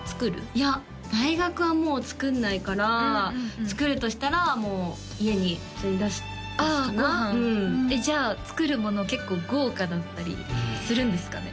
いや大学はもう作んないから作るとしたらもう家に普通に出すかなじゃあ作るもの結構豪華だったりするんですかね？